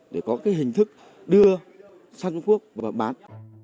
để có cái hình thức đưa sang trung quốc và bán